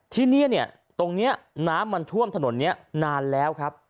ที่นี่เนี่ยตรงนี้น้ำมันท่วมถนนนี้นานแล้วครับ